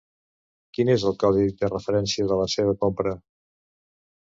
Quin és el codi de referència de la seva compra?